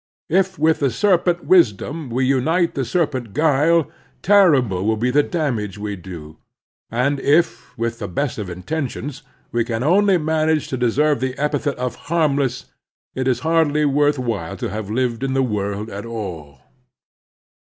If with the serpent wisdom we unite the serpent guile, ter rible will be the damage we do ; and if, with the best of intentions, we can only manage to deserve the epithet of harmless," it is hardly worth while to have lived in the world at all.